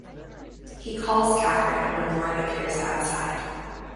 He calls Katherine when Loren appears outside.